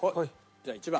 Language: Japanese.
じゃあ１番。